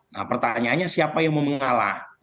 nah pertanyaannya siapa yang mau mengalah